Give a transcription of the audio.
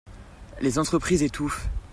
Les entreprises étouffent.